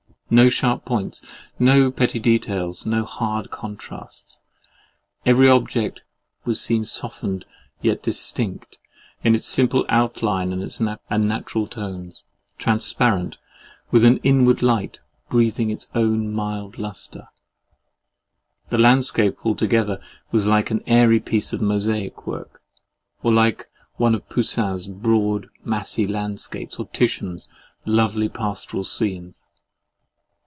No sharp points, no petty details, no hard contrasts—every object was seen softened yet distinct, in its simple outline and natural tones, transparent with an inward light, breathing its own mild lustre. The landscape altogether was like an airy piece of mosaic work, or like one of Poussin's broad massy landscapes or Titian's lovely pastoral scenes.